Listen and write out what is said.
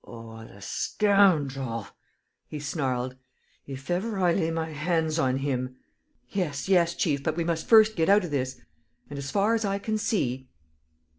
"Oh, the scoundrel!" he snarled. "If ever I lay hands on him ...!" "Yes, yes, chief, but we must first get out of this. ... And, as far as I can see